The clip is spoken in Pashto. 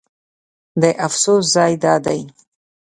د افسوس ځای دا دی.